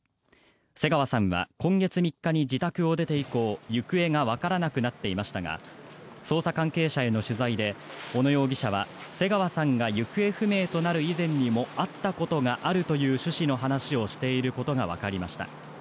瀬川さんは今月３日に自宅を出て以降行方がわからなくなっていましたが捜査関係者への取材で小野容疑者は瀬川さんが行方不明となる以前にも会ったことがあるという趣旨の話をしていることがわかりました。